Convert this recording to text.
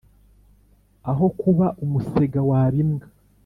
Aho kuba umusega waba imbwa.